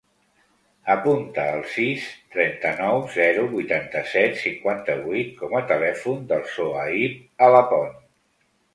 Apunta el sis, trenta-nou, zero, vuitanta-set, cinquanta-vuit com a telèfon del Sohaib Alapont.